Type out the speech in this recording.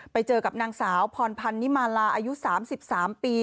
ไปเจอกับนางสาวพรพันธ์นิมาลาอายุ๓๓ปี